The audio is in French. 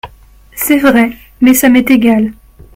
C’est vrai… mais ça m’est égal…